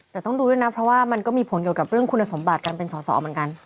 แต่ต้องดูด้วยนะเพราะว่ามันก็มีผลเกี่ยวกับเรื่องคุณสมบัติการเป็นสอสอเหมือนกัน